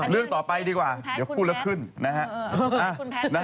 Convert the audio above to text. เรื่องต่อไปดีกว่าเดี๋ยวพูดแล้วขึ้นนะฮะ